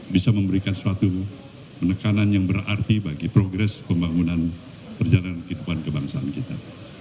bisa memberikan suatu penekanan yang berarti bagi progres pembangunan perjalanan kehidupan kebangsaan kita